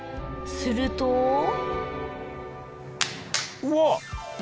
するとうわっ！